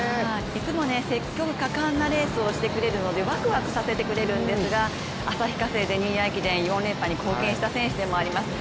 いつも積極果敢なレースをしてくれるのでワクワクさせてくれるんですが旭化成でニューイヤー駅伝連覇に貢献したんですね。